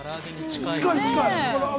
◆近い近い。